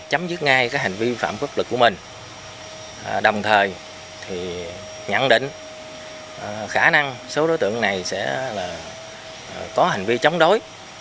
chấm dứt ngay cái hành vi phạm quốc lực của mình đồng thời nhận định khả năng số đối tượng này sẽ có hành vi chống đối